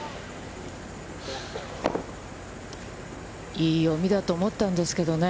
いい読みだと思ったんですけどね。